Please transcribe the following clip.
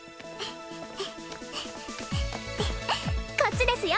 こっちですよ